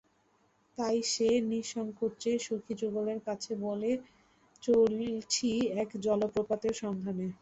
তাই সে নিঃসংকোচে সখীযুগলের কাছে বলে, চলেছি এক জলপ্রপাতের সন্ধানে।